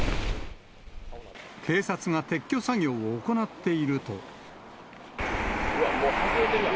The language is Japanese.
警察が撤去作業を行っているうわ、もう、外れてるやん。